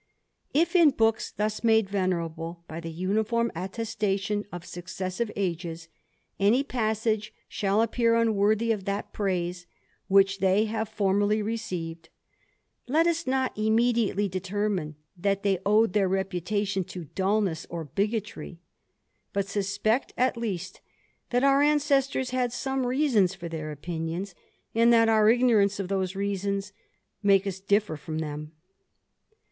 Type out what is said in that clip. If in books thus made venerable by the uniform attestation of successive ages, any passages shall appear unworthy of that praise which they have formerly received, let us not immediately determine, that they owed their reputation to dulness (nt bigotry ; but suspect at least that our ancestors had some reasons for their opinions, and that our ignorance of those reasons make us differ from them.